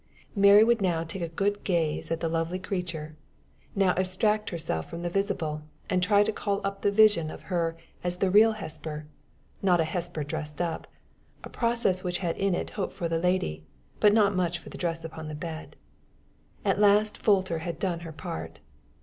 Mary would now take a good gaze at the lovely creature, now abstract herself from the visible, and try to call up the vision of her as the real Hesper, not a Hesper dressed up a process which had in it hope for the lady, but not much for the dress upon the bed. At last Folter had done her part.